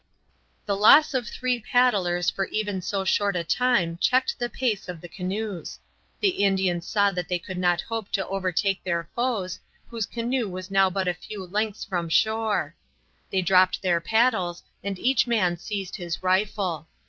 The loss of three paddlers for even so short a time checked the pace of the canoes. The Indians saw that they could not hope to overtake their foes, whose canoe was now but a few lengths from shore. They dropped their paddles, and each man seized his rifle.